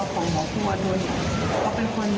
แต่อยากให้คิดถึงว่าการทันตัวการปฏิบัติตัวของหมอครัวด้วย